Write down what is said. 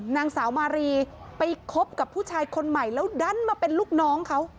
นางสาวมารีไปคบกับผู้ชายคนใหม่แล้วดันมาเป็นลูกน้องเขา